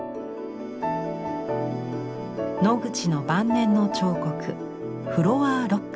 ノグチの晩年の彫刻「フロアーロック」。